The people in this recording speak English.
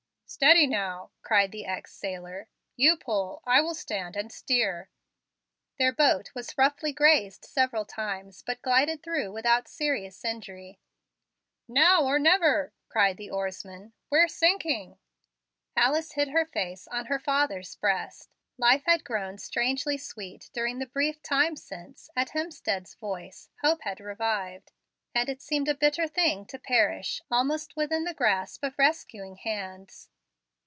"Steady now," cried the ex sailor. "You pull; I will stand and steer." Their boat was roughly grazed several times, but glided through without serious injury. "Now or never!" cried the oarsman; "we're sinking." Alice hid her face on her father's breast. Life had grown strangely sweet during the brief time since, at Hemstead's voice, hope had revived; and it seemed a bitter thing to perish almost within the grasp of rescuing hands.